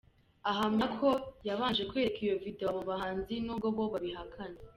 ahamya ko yabanje kwereka iyo video abo bahanzi n’ubwo bo babihakana.